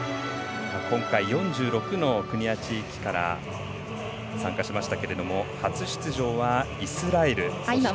今回、４６の国や地域から参加しましたけれども初出場はイスラエル。